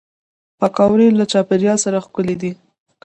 پکورې له چاپېریال سره ښکلي دي